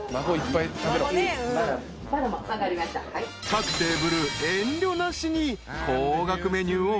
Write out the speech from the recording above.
［各テーブル遠慮なしに］